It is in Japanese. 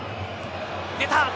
出た！